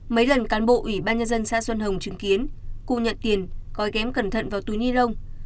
mấy lần cán bộ ủy ban nhân dân xã xuân hồng chứng kiến cô nhận tiền cói ghém cẩn thận vào túi ni lông